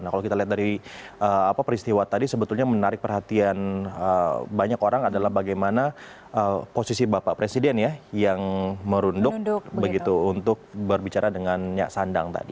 nah kalau kita lihat dari peristiwa tadi sebetulnya menarik perhatian banyak orang adalah bagaimana posisi bapak presiden ya yang merunduk begitu untuk berbicara dengan nyak sandang tadi